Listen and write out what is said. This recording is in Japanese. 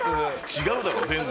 違うだろ全然。